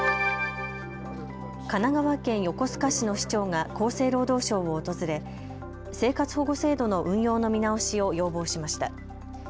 神奈川県横須賀市の市長が厚生労働省を訪れ生活保護制度の運用の見直しを要望しました。